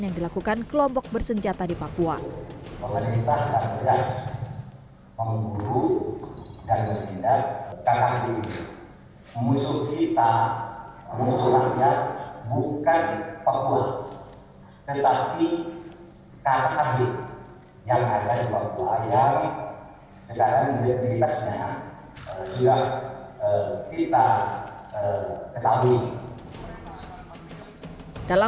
yang dilakukan kelompok bersenjata di papua